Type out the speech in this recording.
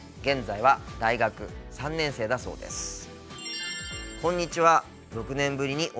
現在は大学３年生だそうです。